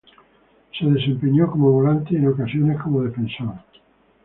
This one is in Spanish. Se desempeñó como volante y en ocasiones como defensor.